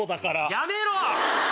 やめろ！